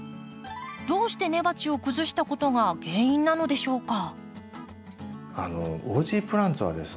どうして根鉢を崩したことが原因なのでしょうか？